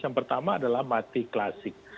yang pertama adalah mati klasik